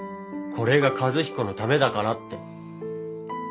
これが和彦のためだからって。